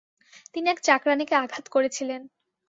তিনি এক চাকরাণীকে আঘাত করেছিলেন।